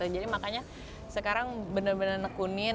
jadi makanya sekarang benar benar nekunin